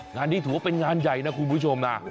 งานนี้ถือว่าเป็นงานใหญ่นะคุณผู้ชมนะ